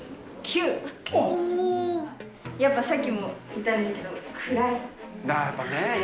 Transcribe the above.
やっぱ、さっきも言ったんですけど、暗い。